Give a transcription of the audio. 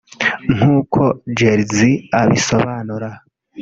nk’uko Gerlzy abisobanura